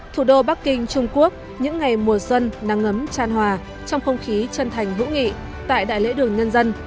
thủ đô bắc kinh trung quốc những ngày mùa xuân nắng ấm tràn hòa trong không khí chân thành hữu nghị tại đại lễ đường nhân dân